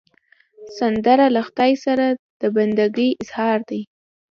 سندره له خدای سره د بندګي اظهار دی